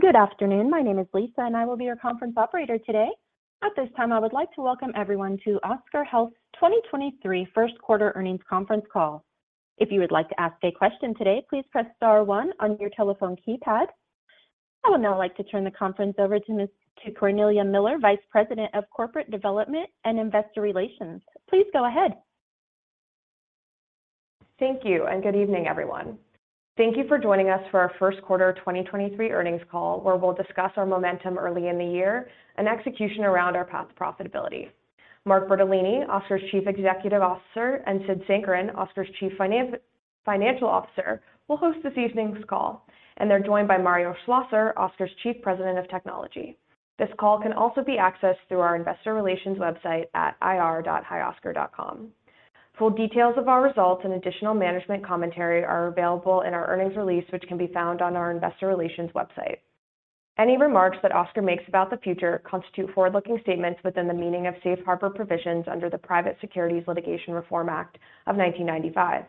Good afternoon. My name is Lisa, and I will be your conference operator today. At this time, I would like to welcome everyone to Oscar Health's 2023 first quarter earnings conference call. If you would like to ask a question today, please press star one on your telephone keypad. I would now like to turn the conference over to Cornelia Miller, Vice President of Corporate Development and Investor Relations. Please go ahead. Thank you, good evening, everyone. Thank you for joining us for our Q1 2023 earnings call, where we'll discuss our momentum early in the year and execution around our path to profitability. Mark Bertolini, Oscar's Chief Executive Officer, and Sid Sankaran, Oscar's Chief Financial Officer, will host this evening's call, and they're joined by Mario Schlosser, Oscar's President of Technology. This call can also be accessed through our investor relations website at ir.hioscar.com. Full details of our results and additional management commentary are available in our earnings release, which can be found on our investor relations website. Any remarks that Oscar makes about the future constitute forward-looking statements within the meaning of safe harbor provisions under the Private Securities Litigation Reform Act of 1995.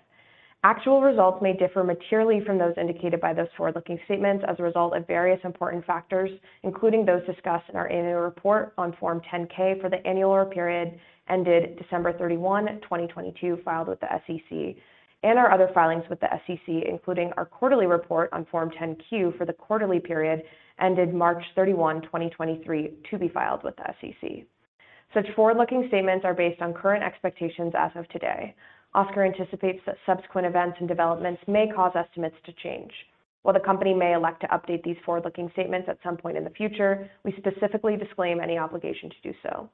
Actual results may differ materially from those indicated by those forward-looking statements as a result of various important factors, including those discussed in our annual report on Form 10-K for the annual period ended December 31, 2022, filed with the SEC, and our other filings with the SEC, including our quarterly report on Form 10-Q for the quarterly period ended March 31, 2023, to be filed with the SEC. Such forward-looking statements are based on current expectations as of today. Oscar anticipates that subsequent events and developments may cause estimates to change. While the company may elect to update these forward-looking statements at some point in the future, we specifically disclaim any obligation to do so.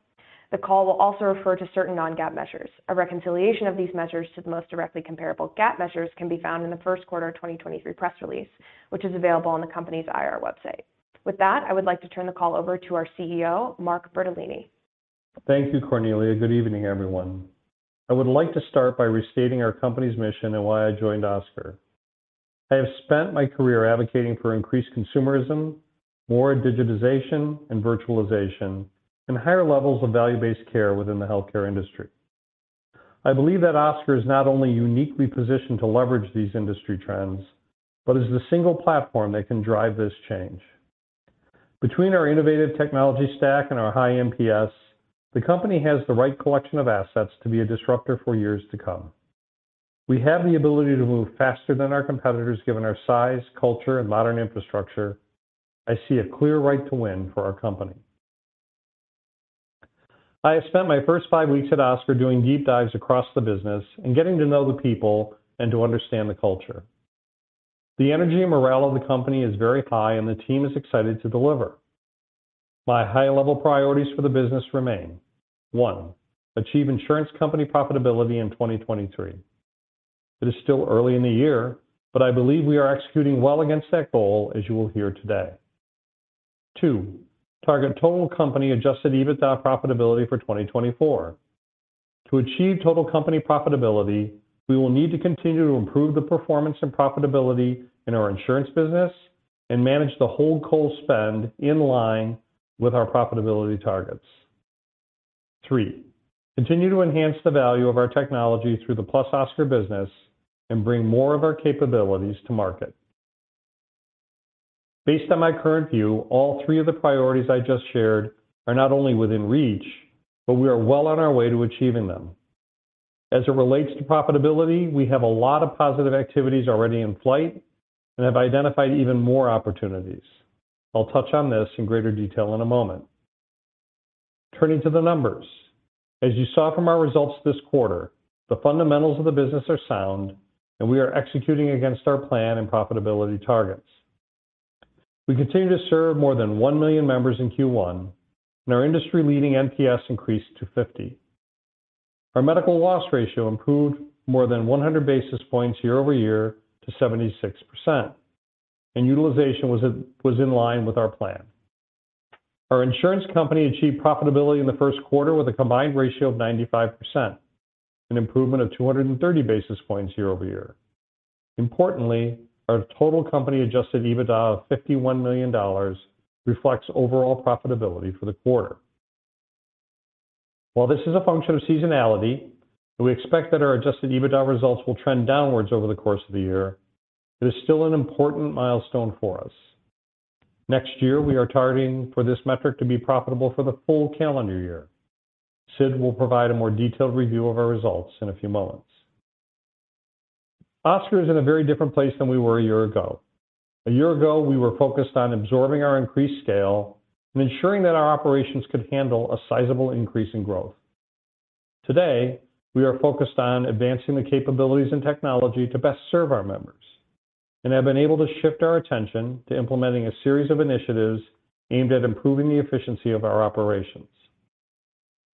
The call will also refer to certain non-GAAP measures. A reconciliation of these measures to the most directly comparable GAAP measures can be found in the Q1 of 2023 press release, which is available on the company's IR website. With that, I would like to turn the call over to our CEO, Mark Bertolini. Thank you, Cornelia. Good evening, everyone. I would like to start by restating our company's mission and why I joined Oscar. I have spent my career advocating for increased consumerism, more digitization and virtualization, and higher levels of value-based care within the healthcare industry. I believe that Oscar is not only uniquely positioned to leverage these industry trends, but is the single platform that can drive this change. Between our innovative technology stack and our high NPS, the company has the right collection of assets to be a disruptor for years to come. We have the ability to move faster than our competitors, given our size, culture, and modern infrastructure. I see a clear right to win for our company. I have spent my first five weeks at Oscar doing deep dives across the business and getting to know the people and to understand the culture. The energy and morale of the company is very high, and the team is excited to deliver. My high-level priorities for the business remain: 1, achieve insurance company profitability in 2023. It is still early in the year, but I believe we are executing well against that goal, as you will hear today. 2, target total company adjusted EBITDA profitability for 2024. To achieve total company profitability, we will need to continue to improve the performance and profitability in our insurance business and manage the Holdco spend in line with our profitability targets. 3, continue to enhance the value of our technology through the +Oscar business and bring more of our capabilities to market. Based on my current view, all 3 of the priorities I just shared are not only within reach, but we are well on our way to achieving them. As it relates to profitability, we have a lot of positive activities already in flight and have identified even more opportunities. I'll touch on this in greater detail in a moment. Turning to the numbers. As you saw from our results this quarter, the fundamentals of the business are sound, we are executing against our plan and profitability targets. We continue to serve more than 1 million members in Q1, our industry-leading NPS increased to 50. Our medical loss ratio improved more than 100 basis points year-over-year to 76%, utilization was in line with our plan. Our insurance company achieved profitability in the Q1 with a combined ratio of 95%, an improvement of 230 basis points year-over-year. Importantly, our total company adjusted EBITDA of $51 million reflects overall profitability for the quarter. While this is a function of seasonality, and we expect that our adjusted EBITDA results will trend downwards over the course of the year, it is still an important milestone for us. Next year, we are targeting for this metric to be profitable for the full calendar year. Sid will provide a more detailed review of our results in a few moments. Oscar is in a very different place than we were a year ago. A year ago, we were focused on absorbing our increased scale and ensuring that our operations could handle a sizable increase in growth. Today, we are focused on advancing the capabilities and technology to best serve our members and have been able to shift our attention to implementing a series of initiatives aimed at improving the efficiency of our operations.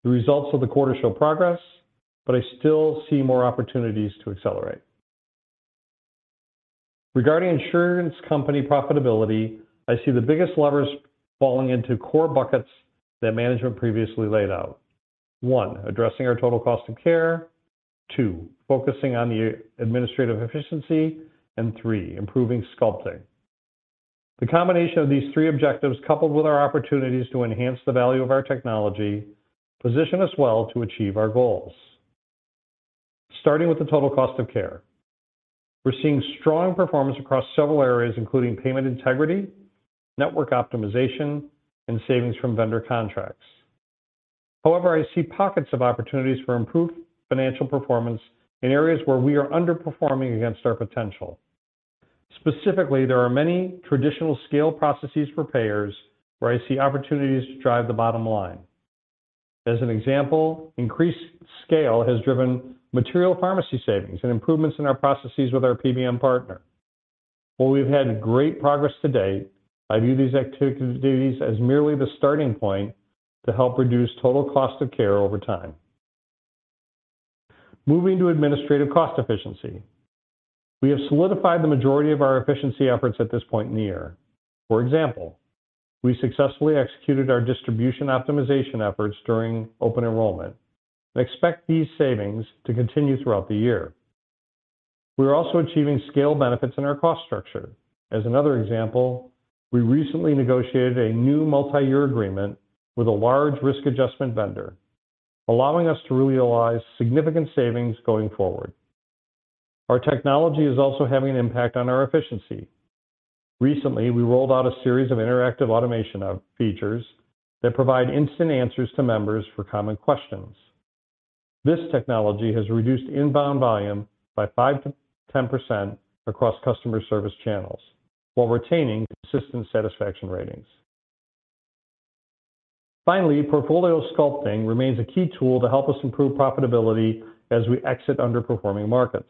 The results of the quarter show progress, but I still see more opportunities to accelerate. Regarding insurance company profitability, I see the biggest levers falling into core buckets that management previously laid out. One, addressing our total cost of care. Two, focusing on the administrative efficiency. Three, improving sculpting. The combination of these three objectives, coupled with our opportunities to enhance the value of our technology, position us well to achieve our goals. Starting with the total cost of care. We're seeing strong performance across several areas, including payment integrity, network optimization, and savings from vendor contracts. However, I see pockets of opportunities for improved financial performance in areas where we are underperforming against our potential. Specifically, there are many traditional scale processes for payers where I see opportunities to drive the bottom line. As an example, increased scale has driven material pharmacy savings and improvements in our processes with our PBM partner. While we've had great progress to date, I view these activities as merely the starting point to help reduce total cost of care over time. Moving to administrative cost efficiency. We have solidified the majority of our efficiency efforts at this point in the year. For example, we successfully executed our distribution optimization efforts during open enrollment and expect these savings to continue throughout the year. We are also achieving scale benefits in our cost structure. As another example, we recently negotiated a new multi-year agreement with a large risk adjustment vendor, allowing us to realize significant savings going forward. Our technology is also having an impact on our efficiency. Recently, we rolled out a series of interactive automation of features that provide instant answers to members for common questions. This technology has reduced inbound volume by 5%-10% across customer service channels while retaining consistent satisfaction ratings. Finally, portfolio sculpting remains a key tool to help us improve profitability as we exit underperforming markets.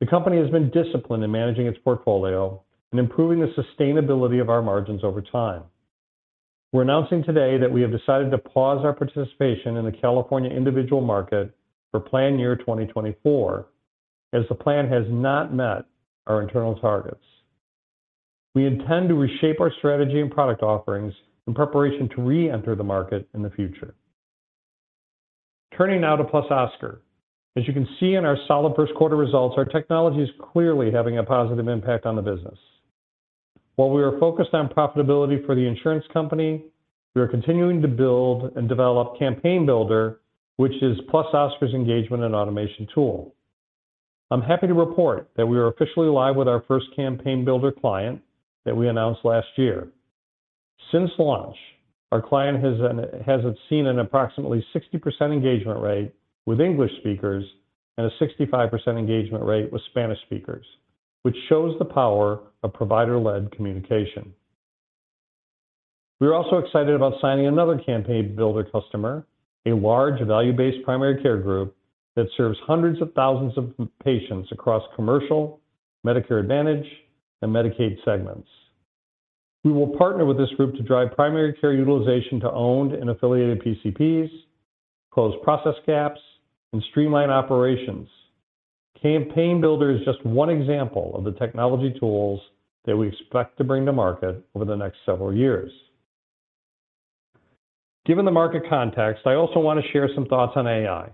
The company has been disciplined in managing its portfolio and improving the sustainability of our margins over time. We're announcing today that we have decided to pause our participation in the California individual market for plan year 2024, as the plan has not met our internal targets. We intend to reshape our strategy and product offerings in preparation to re-enter the market in the future. Turning now to +Oscar. As you can see in our solid first quarter results, our technology is clearly having a positive impact on the business. While we are focused on profitability for the Insurance Co, we are continuing to build and develop Campaign Builder, which is +Oscar's engagement and automation tool. I'm happy to report that we are officially live with our first Campaign Builder client that we announced last year. Since launch, our client has seen an approximately 60% engagement rate with English speakers and a 65% engagement rate with Spanish speakers, which shows the power of provider-led communication. We are also excited about signing another Campaign Builder customer, a large value-based primary care group that serves hundreds of thousands of patients across commercial, Medicare Advantage, and Medicaid segments. We will partner with this group to drive primary care utilization to owned and affiliated PCPs, close process gaps, and streamline operations. Campaign Builder is just one example of the technology tools that we expect to bring to market over the next several years. Given the market context, I also want to share some thoughts on AI.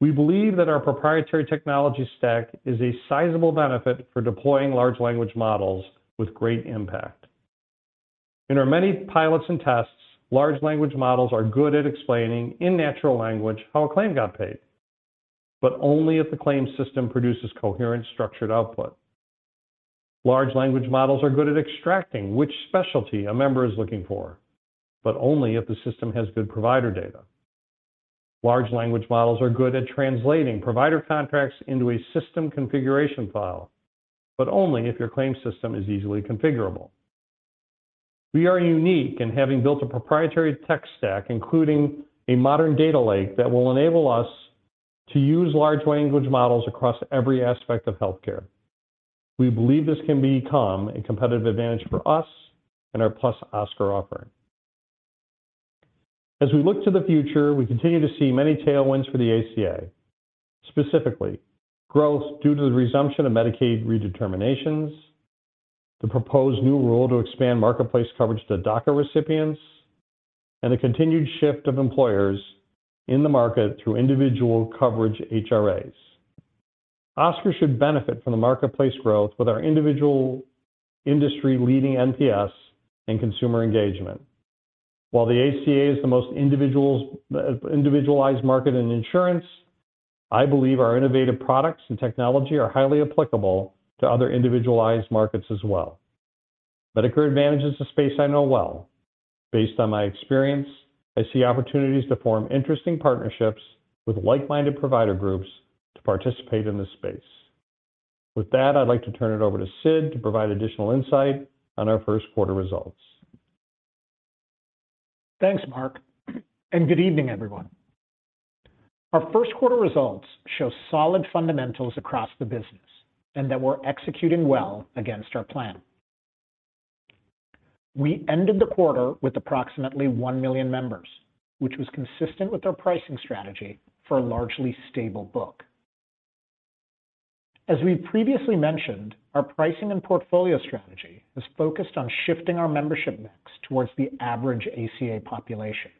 We believe that our proprietary technology stack is a sizable benefit for deploying large language models with great impact. In our many pilots and tests, large language models are good at explaining in natural language how a claim got paid, but only if the claim system produces coherent structured output. Large language models are good at extracting which specialty a member is looking for, but only if the system has good provider data. Large language models are good at translating provider contracts into a system configuration file, but only if your claim system is easily configurable. We are unique in having built a proprietary tech stack, including a modern data lake that will enable us to use large language models across every aspect of healthcare. We believe this can become a competitive advantage for us and our +Oscar offering. As we look to the future, we continue to see many tailwinds for the ACA, specifically growth due to the resumption of Medicaid redeterminations, the proposed new rule to expand marketplace coverage to DACA recipients, and the continued shift of employers in the market through individual coverage HRAs. Oscar should benefit from the marketplace growth with our individual industry-leading NPS and consumer engagement. While the ACA is the most individualized market in insurance, I believe our innovative products and technology are highly applicable to other individualized markets as well. Medicare Advantage is a space I know well. Based on my experience, I see opportunities to form interesting partnerships with like-minded provider groups to participate in this space. With that, I'd like to turn it over to Sid to provide additional insight on our Q1 results. Thanks, Mark, and good evening, everyone. Our Q1 results show solid fundamentals across the business and that we're executing well against our plan. We ended the quarter with approximately 1 million members, which was consistent with our pricing strategy for a largely stable book. As we previously mentioned, our pricing and portfolio strategy is focused on shifting our membership mix towards the average ACA population.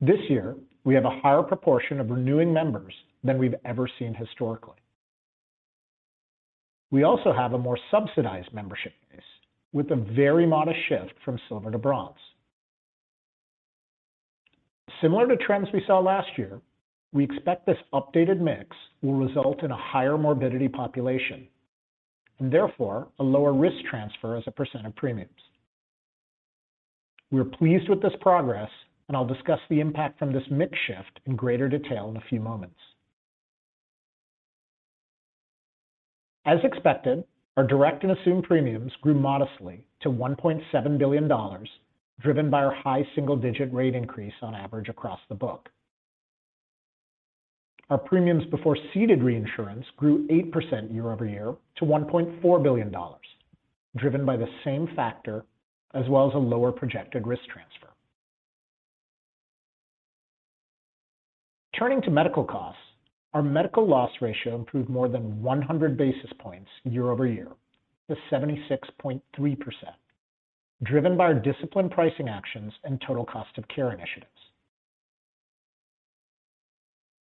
This year, we have a higher proportion of renewing members than we've ever seen historically. We also have a more subsidized membership base with a very modest shift from silver to bronze. Similar to trends we saw last year, we expect this updated mix will result in a higher morbidity population, and therefore a lower risk transfer as a percent of premiums. We're pleased with this progress, and I'll discuss the impact from this mix shift in greater detail in a few moments. As expected, our direct and assumed premiums grew modestly to $1.7 billion, driven by our high single-digit rate increase on average across the book. Our premiums before ceded reinsurance grew 8% year-over-year to $1.4 billion, driven by the same factor as well as a lower projected risk transfer. Turning to medical costs, our medical loss ratio improved more than 100 basis points year-over-year to 76.3%, driven by our disciplined pricing actions and total cost of care initiatives.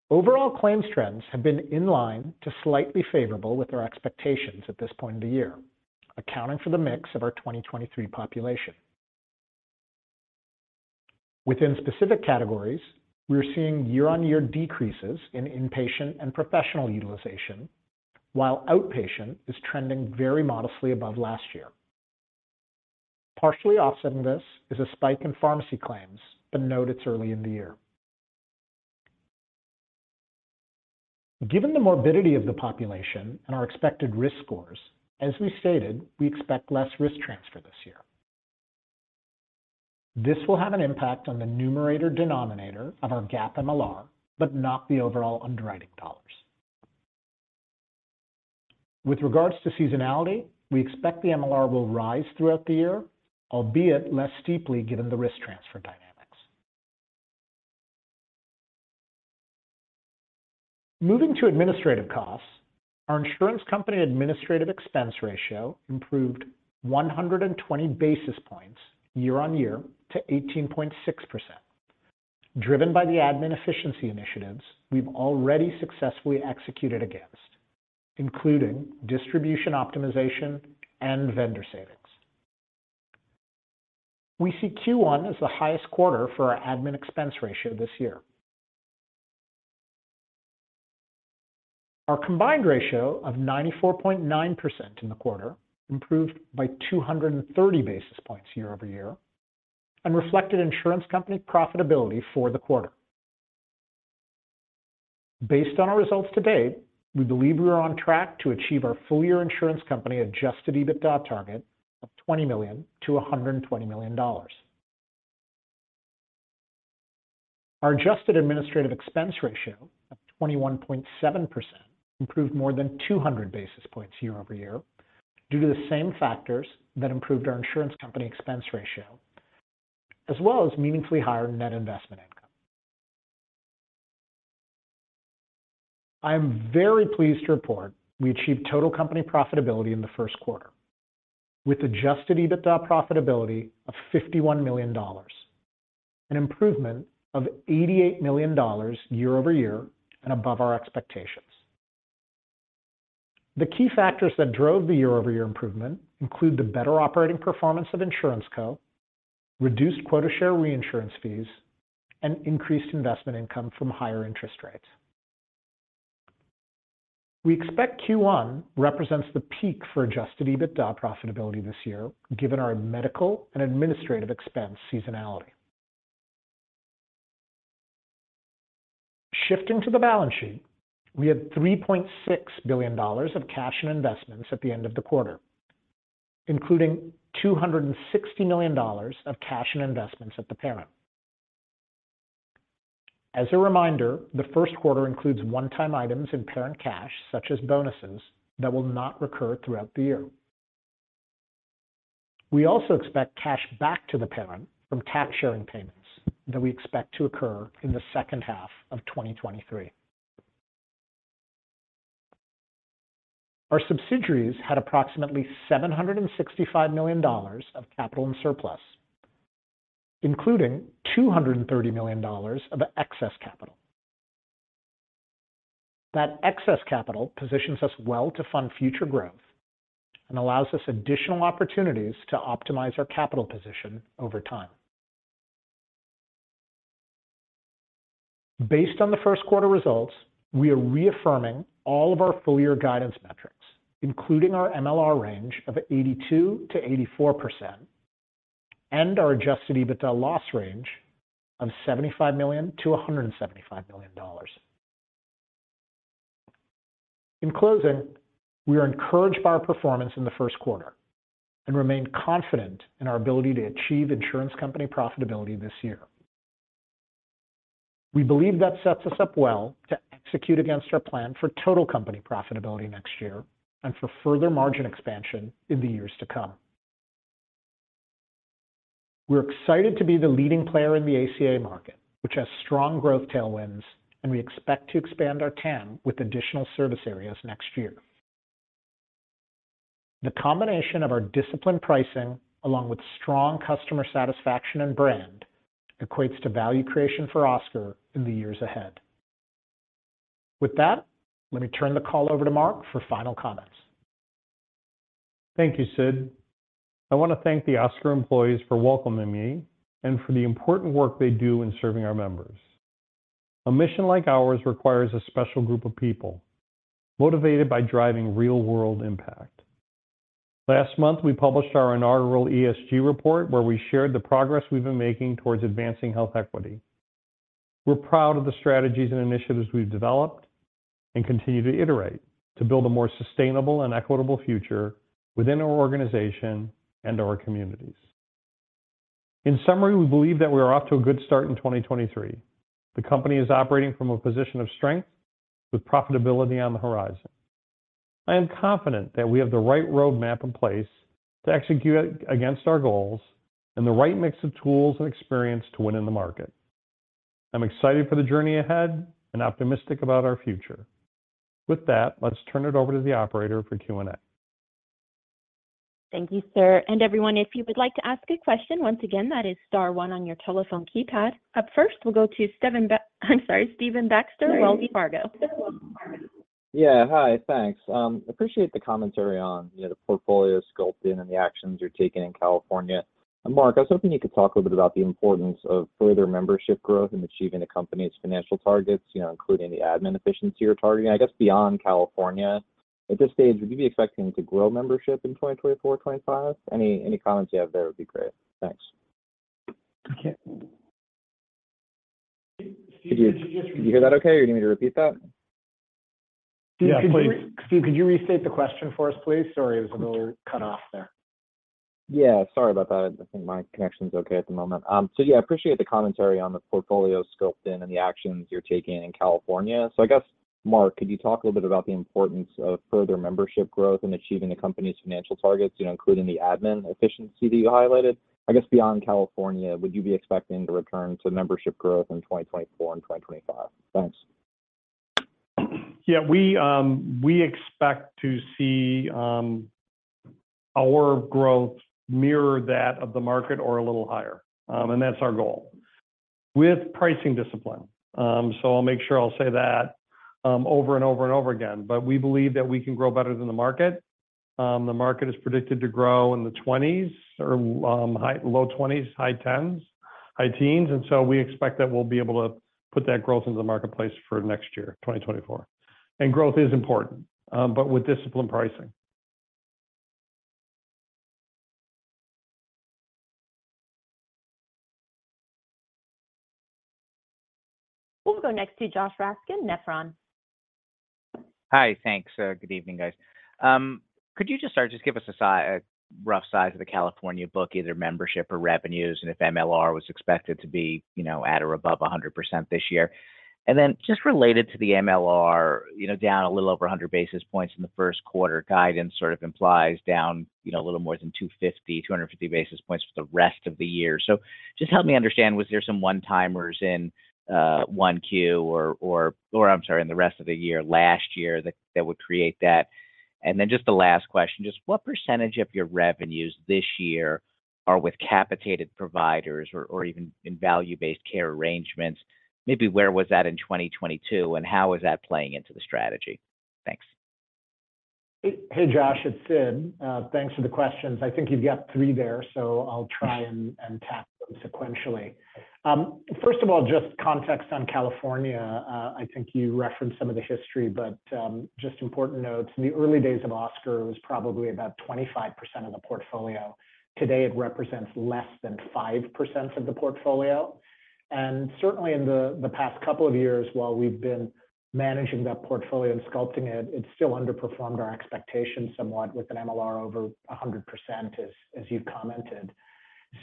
Overall claims trends have been in line to slightly favorable with our expectations at this point in the year, accounting for the mix of our 2023 population. Within specific categories, we are seeing year-on-year decreases in inpatient and professional utilization, while outpatient is trending very modestly above last year. Partially offsetting this is a spike in pharmacy claims, note it's early in the year. Given the morbidity of the population and our expected risk scores, as we stated, we expect less risk transfer this year. This will have an impact on the numerator denominator of our GAAP MLR, but not the overall underwriting dollars. With regards to seasonality, we expect the MLR will rise throughout the year, albeit less steeply given the risk transfer dynamics. Moving to administrative costs, our insurance company administrative expense ratio improved 120 basis points year-on-year to 18.6%, driven by the admin efficiency initiatives we've already successfully executed against, including distribution optimization and vendor savings. We see Q1 as the highest quarter for our admin expense ratio this year. Our combined ratio of 94.9% in the quarter improved by 230 basis points year-over-year and reflected Insurance Co profitability for the quarter. Based on our results to date, we believe we are on track to achieve our full year Insurance Co adjusted EBITDA target of $20 million-$120 million. Our adjusted administrative expense ratio of 21.7% improved more than 200 basis points year-over-year due to the same factors that improved our Insurance Co expense ratio, as well as meaningfully higher net investment income. I am very pleased to report we achieved total company profitability in the Q1 with adjusted EBITDA profitability of $51 million, an improvement of $88 million year-over-year and above our expectations. The key factors that drove the year-over-year improvement include the better operating performance of Insurance Co, reduced quota share reinsurance fees, and increased investment income from higher interest rates. We expect Q1 represents the peak for adjusted EBITDA profitability this year, given our medical and administrative expense seasonality. Shifting to the balance sheet, we had $3.6 billion of cash and investments at the end of the quarter, including $260 million of cash and investments at the parent. As a reminder, the Q1 includes one-time items in parent cash, such as bonuses, that will not recur throughout the year. We also expect cash back to the parent from tax sharing payments that we expect to occur in the second half of 2023. Our subsidiaries had approximately $765 million of capital and surplus, including $230 million of excess capital. That excess capital positions us well to fund future growth and allows us additional opportunities to optimize our capital position over time. Based on the Q1 results, we are reaffirming all of our full year guidance metrics, including our MLR range of 82%-84% and our adjusted EBITDA loss range of $75 million-$175 million. In closing, we are encouraged by our performance in the Q1 and remain confident in our ability to achieve insurance company profitability this year. We believe that sets us up well to execute against our plan for total company profitability next year and for further margin expansion in the years to come. We're excited to be the leading player in the ACA market, which has strong growth tailwinds, and we expect to expand our TAM with additional service areas next year. The combination of our disciplined pricing, along with strong customer satisfaction and brand, equates to value creation for Oscar in the years ahead. With that, let me turn the call over to Mark for final comments. Thank you, Sid. I want to thank the Oscar employees for welcoming me and for the important work they do in serving our members. A mission like ours requires a special group of people motivated by driving real-world impact. Last month, we published our inaugural ESG report, where we shared the progress we've been making towards advancing health equity. We're proud of the strategies and initiatives we've developed and continue to iterate to build a more sustainable and equitable future within our organization and our communities. In summary, we believe that we are off to a good start in 2023. The company is operating from a position of strength with profitability on the horizon. I am confident that we have the right roadmap in place to execute against our goals and the right mix of tools and experience to win in the market. I'm excited for the journey ahead and optimistic about our future. With that, let's turn it over to the operator for Q&A. Thank you, sir. Everyone, if you would like to ask a question, once again, that is star one on your telephone keypad. Up first, we'll go to I'm sorry, Stephen Baxter, Wells Fargo. Yeah. Hi. Thanks. Appreciate the commentary on, you know, the portfolio sculpting and the actions you're taking in California. Mark, I was hoping you could talk a little bit about the importance of further membership growth in achieving the company's financial targets, you know, including the admin efficiency you're targeting. I guess beyond California, at this stage, would you be expecting to grow membership in 2024, 2025? Any, any comments you have there would be great. Thanks. Okay. Steve, could you just repeat? Did you hear that okay or do you need me to repeat that? Yeah, please. Steve, could you restate the question for us, please? Sorry, it was a little cut off there. Yeah, sorry about that. I think my connection's okay at the moment. Yeah, appreciate the commentary on the portfolio sculpting and the actions you're taking in California. I guess, Mark, could you talk a little bit about the importance of further membership growth in achieving the company's financial targets, you know, including the admin efficiency that you highlighted? I guess beyond California, would you be expecting to return to membership growth in 2024 and 2025? Thanks. Yeah. We expect to see our growth mirror that of the market or a little higher. That's our goal with pricing discipline. I'll make sure I'll say that over and over and over again. We believe that we can grow better than the market. The market is predicted to grow in the 20s or low 20s, high 10s, high teens. We expect that we'll be able to put that growth into the marketplace for next year, 2024. Growth is important, but with disciplined pricing. We'll go next to Josh Raskin, Nephron. Hi. Thanks. Good evening, guys. Could you just give us a rough size of the California book, either membership or revenues, and if MLR was expected to be, you know, at or above 100% this year? Just related to the MLR, you know, down a little over 100 basis points in the Q1, guidance sort of implies down, you know, a little more than 250 basis points for the rest of the year. Just help me understand, was there some one-timers in one Q or I'm sorry, in the rest of the year, last year that would create that? Just the last question, just what % of your revenues this year are with capitated providers or even in value-based care arrangements? Maybe where was that in 2022, and how is that playing into the strategy? Thanks. Hey, Josh, it's Sid. Thanks for the questions. I think you've got three there, I'll try and tackle them sequentially. First of all, just context on California. I think you referenced some of the history, just important notes. In the early days of Oscar, it was probably about 25% of the portfolio. Today, it represents less than 5% of the portfolio. Certainly in the past couple of years, while we've been managing that portfolio and sculpting it's still underperformed our expectations somewhat with an MLR over 100%, as you've commented.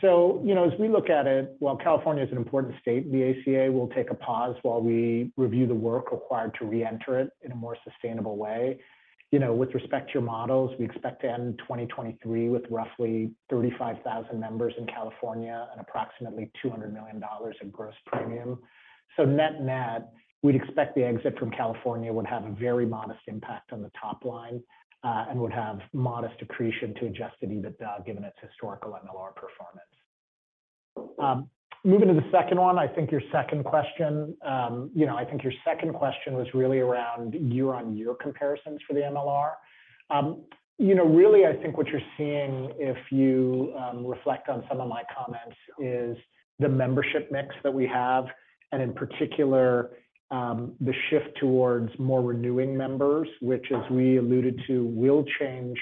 You know, as we look at it, while California is an important state, the ACA will take a pause while we review the work required to reenter it in a more sustainable way. You know, with respect to your models, we expect to end 2023 with roughly 35,000 members in California and approximately $200 million in gross premium. Net net, we'd expect the exit from California would have a very modest impact on the top line, and would have modest accretion to adjusted EBITDA, given its historical MLR performance. Moving to the second one, I think your second question was really around year-on-year comparisons for the MLR. You know, really, I think what you're seeing if you reflect on some of my comments is the membership mix that we have, and in particular, the shift towards more renewing members, which as we alluded to, will change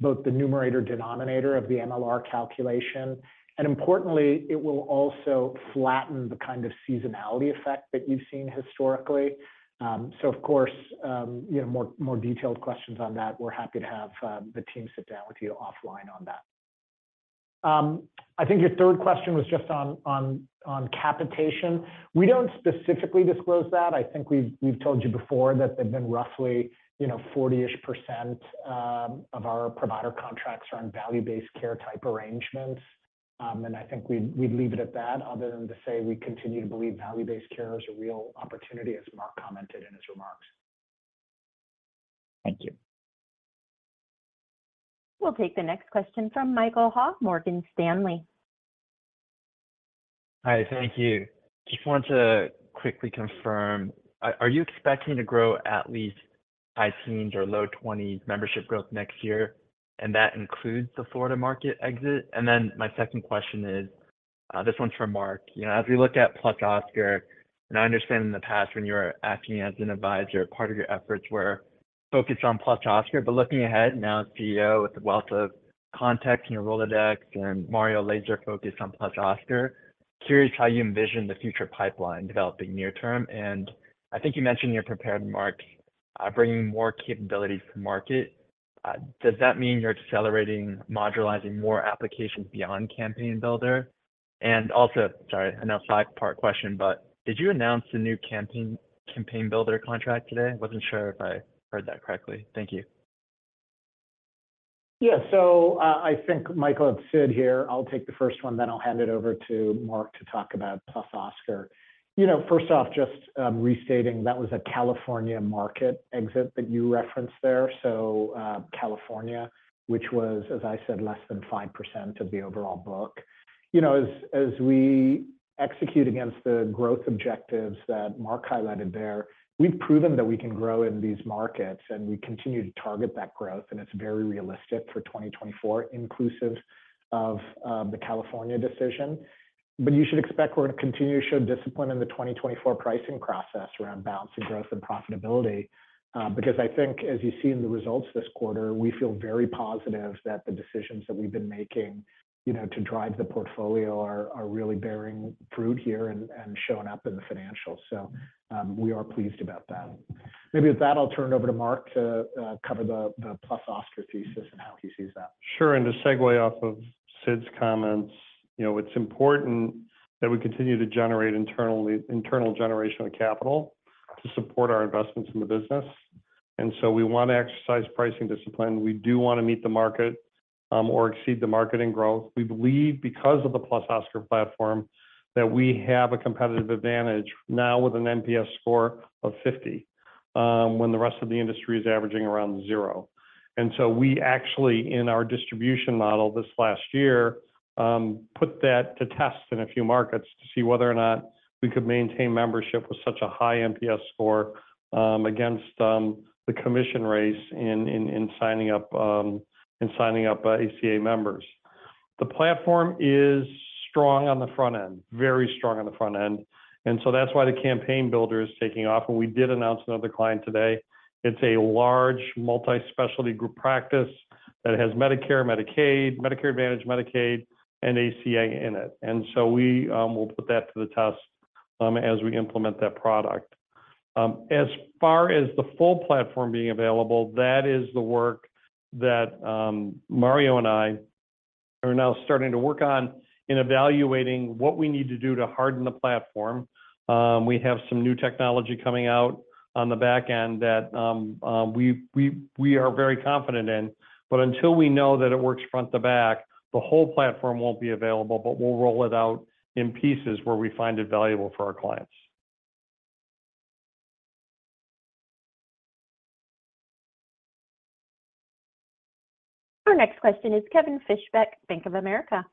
both the numerator denominator of the MLR calculation. Importantly, it will also flatten the kind of seasonality effect that you've seen historically. Of course, you know, more detailed questions on that, we're happy to have the team sit down with you offline on that. I think your third question was just on capitation. We don't specifically disclose that. I think we've told you before that they've been roughly, you know, 40-ish% of our provider contracts are on value-based care type arrangements. I think we'd leave it at that other than to say we continue to believe value-based care is a real opportunity, as Mark commented in his remarks. Thank you. We'll take the next question from Michael Ha, Morgan Stanley. Hi, thank you. Just want to quickly confirm. Are you expecting to grow at least high teens or low 20s membership growth next year, and that includes the Florida market exit? My second question is, this one's for Mark. You know, as we look at +Oscar, and I understand in the past when you were acting as an advisor, part of your efforts were focused on +Oscar. Looking ahead now as CEO with the wealth of contacts in your Rolodex, and Mario laser-focused on +Oscar, curious how you envision the future pipeline developing near term. I think you mentioned you're prepared, Mark, bringing more capabilities to market. Does that mean you're accelerating modularizing more applications beyond Campaign Builder? Also, sorry, I know five-part question, but did you announce the new Campaign Builder contract today? Wasn't sure if I heard that correctly. Thank you. Yeah. I think Michael Ha, it's Sid Sankaran here. I'll take the first one, then I'll hand it over to Mark Bertolini to talk about +Oscar. You know, first off, just restating, that was a California market exit that you referenced there. California, which was, as I said, less than 5% of the overall book. You know, as we execute against the growth objectives that Mark Bertolini highlighted there, we've proven that we can grow in these markets, and we continue to target that growth, and it's very realistic for 2024, inclusive of the California decision. You should expect we're gonna continue to show discipline in the 2024 pricing process around balancing growth and profitability, because I think, as you see in the results this quarter, we feel very positive that the decisions that we've been making, you know, to drive the portfolio are really bearing fruit here and showing up in the financials. We are pleased about that. Maybe with that, I'll turn it over to Mark to cover the +Oscar thesis and how he sees that. Sure. To segue off of Sid's comments, you know, it's important that we continue to generate internal generation of capital to support our investments in the business. We want to exercise pricing discipline. We do want to meet the market, or exceed the market in growth. We believe because of the +Oscar platform, that we have a competitive advantage now with an NPS score of 50, when the rest of the industry is averaging around 0. We actually, in our distribution model this last year, put that to test in a few markets to see whether or not we could maintain membership with such a high NPS score, against the commission race in signing up, in signing up, ACA members. The platform is strong on the front end, very strong on the front end, and so that's why the Campaign Builder is taking off. We did announce another client today. It's a large multi-specialty group practice that has Medicare, Medicaid, Medicare Advantage, Medicaid, and ACA in it. So we will put that to the test as we implement that product. As far as the full platform being available, that is the work that Mario and I are now starting to work on in evaluating what we need to do to harden the platform. We have some new technology coming out on the back end that we are very confident in. Until we know that it works front to back, the whole platform won't be available, but we'll roll it out in pieces where we find it valuable for our clients. Our next question is Kevin Fischbeck, Bank of America.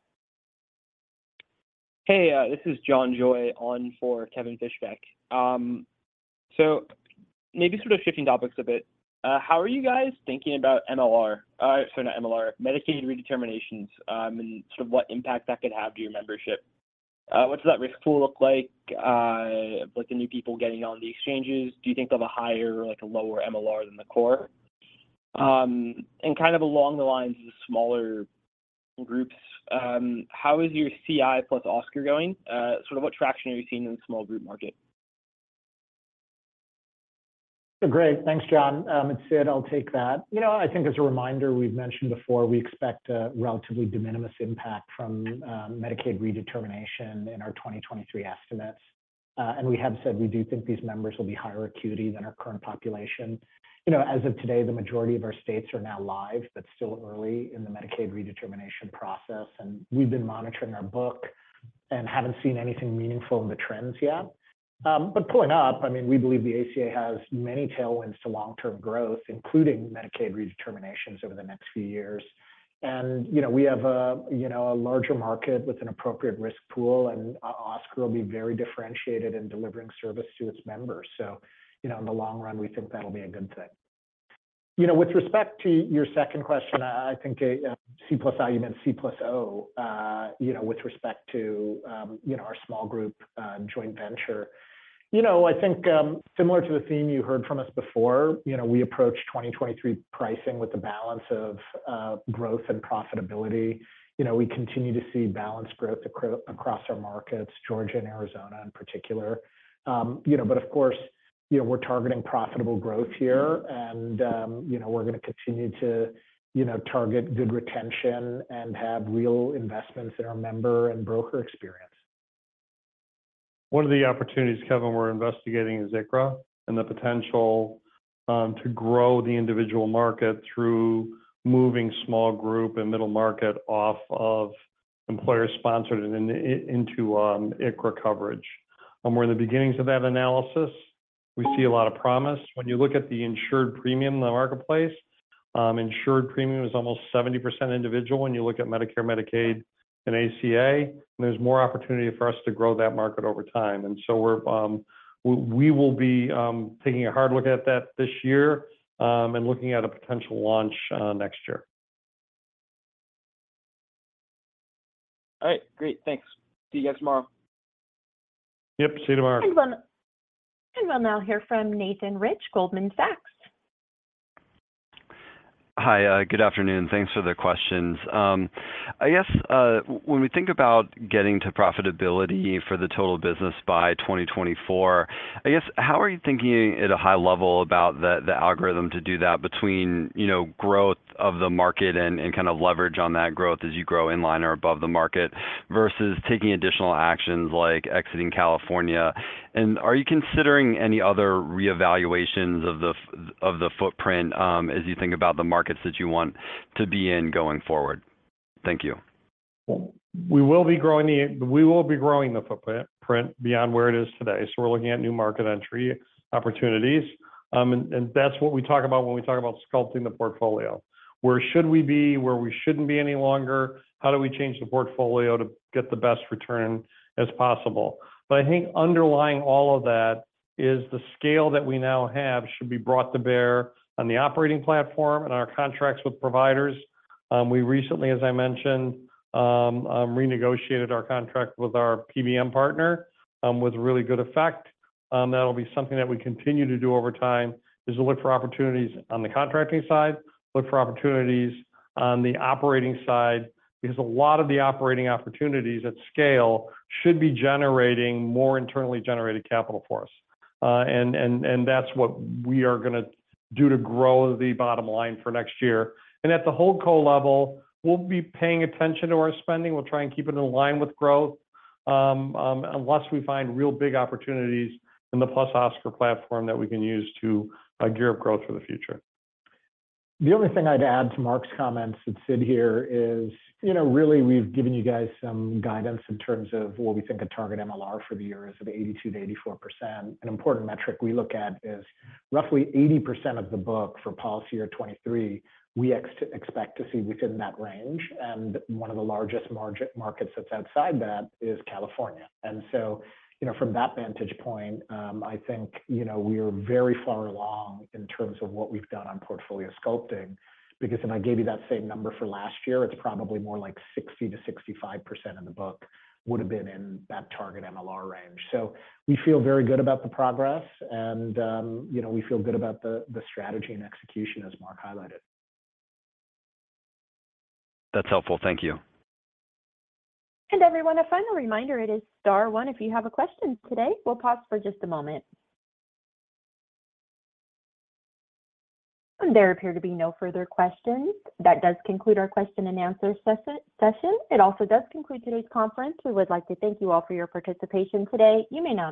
Hey, this is John Joy on for Kevin Fischbeck. Maybe sort of shifting topics a bit. How are you guys thinking about MLR? Sorry, not MLR, Medicaid redeterminations, and sort of what impact that could have to your membership? What does that risk pool look like with the new people getting on the exchanges? Do you think they'll have a higher or, like, a lower MLR than the core? Kind of along the lines of the smaller groups, how is your Cigna + Oscar going? Sort of what traction are you seeing in the small group market? Great. Thanks, John. It's Sid. I'll take that. You know, I think as a reminder, we've mentioned before, we expect a relatively de minimis impact from Medicaid redetermination in our 2023 estimates. We have said we do think these members will be higher acuity than our current population. You know, as of today, the majority of our states are now live, but still early in the Medicaid redetermination process. We've been monitoring our book and haven't seen anything meaningful in the trends yet. Pulling up, I mean, we believe the ACA has many tailwinds to long-term growth, including Medicaid redeterminations over the next few years. You know, we have a, you know, a larger market with an appropriate risk pool, and Oscar will be very differentiated in delivering service to its members. You know, in the long run, we think that'll be a good thing. You know, with respect to your second question, I think C plus value, meant Cigna + Oscar, you know, with respect to, you know, our small group joint venture. You know, I think similar to the theme you heard from us before, you know, we approach 2023 pricing with the balance of growth and profitability. You know, we continue to see balanced growth across our markets, Georgia and Arizona in particular. You know, but of course, you know, we're targeting profitable growth here and, you know, we're gonna continue to, you know, target good retention and have real investments in our member and broker experience. One of the opportunities, Kevin, we're investigating is ICHRA, and the potential to grow the individual market through moving small group and middle market off of employer-sponsored and into ICHRA coverage. We're in the beginnings of that analysis. We see a lot of promise. When you look at the insured premium in the marketplace, insured premium is almost 70% individual when you look at Medicare, Medicaid, and ACA, there's more opportunity for us to grow that market over time. We will be taking a hard look at that this year and looking at a potential launch next year. All right. Great. Thanks. See you guys tomorrow. Yep, see you tomorrow. We'll now hear from Nathan Rich, Goldman Sachs. Hi. good afternoon. Thanks for the questions. I guess, when we think about getting to profitability for the total business by 2024, I guess, how are you thinking at a high level about the algorithm to do that between, you know, growth of the market and kind of leverage on that growth as you grow in line or above the market versus taking additional actions like exiting California? Are you considering any other reevaluations of the footprint, as you think about the markets that you want to be in going forward? Thank you. We will be growing the footprint beyond where it is today, so we're looking at new market entry opportunities. That's what we talk about when we talk about sculpting the portfolio. Where should we be? Where we shouldn't be any longer? How do we change the portfolio to get the best return as possible? I think underlying all of that is the scale that we now have should be brought to bear on the operating platform and our contracts with providers. We recently, as I mentioned, renegotiated our contract with our PBM partner, with really good effect. That'll be something that we continue to do over time, is to look for opportunities on the contracting side, look for opportunities on the operating side. Because a lot of the operating opportunities at scale should be generating more internally generated capital for us. That's what we are gonna do to grow the bottom line for next year. At the Holdco level, we'll be paying attention to our spending. We'll try and keep it in line with growth, unless we find real big opportunities in the +Oscar platform that we can use to gear up growth for the future. The only thing I'd add to Mark's comments that sit here is, you know, really we've given you guys some guidance in terms of what we think a target MLR for the year is of 82%-84%. An important metric we look at is roughly 80% of the book for policy year 2023, we expect to see within that range. One of the largest markets that's outside that is California. You know, from that vantage point, I think, you know, we are very far along in terms of what we've done on portfolio sculpting, because if I gave you that same number for last year, it's probably more like 60%-65% of the book would have been in that target MLR range. We feel very good about the progress and, you know, we feel good about the strategy and execution as Mark highlighted. That's helpful. Thank you. Everyone, a final reminder, it is star one if you have a question today. We'll pause for just a moment. There appear to be no further questions. That does conclude our question and answer session. It also does conclude today's conference. We would like to thank you all for your participation today. You may now.